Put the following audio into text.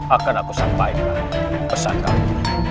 akan aku sampaikan pesan kami